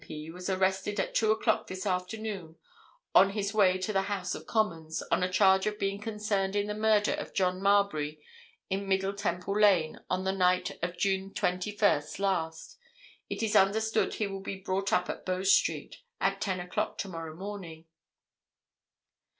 P., was arrested at two o'clock this afternoon, on his way to the House of Commons, on a charge of being concerned in the murder of John Marbury in Middle Temple Lane on the night of June 21st last. It is understood he will be brought up at Bow Street at ten o'clock tomorrow morning."